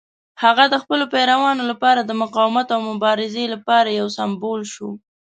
هغه د خپلو پیروانو لپاره د مقاومت او مبارزې لپاره یو سمبول شو.